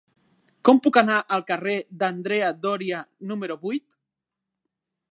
Com puc anar al carrer d'Andrea Doria número vuit?